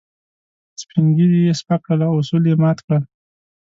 سپين ږيري يې سپک کړل او اصول يې مات کړل.